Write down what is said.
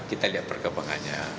ya kita lihat perkembangannya